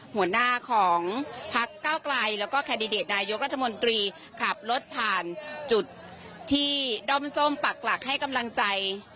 หัวหน้าของพักเก้าไกลแล้วก็แคนดิเดตนายกรัฐมนตรีขับรถผ่านจุดที่ด้อมส้มปักหลักให้กำลังใจ